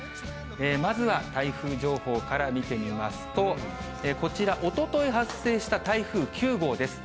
まずは台風情報から見てみますと、こちら、おととい発生した台風９号です。